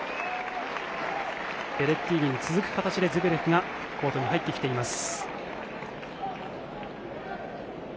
ベレッティーニに続く形でズベレフがコートに入ってきます。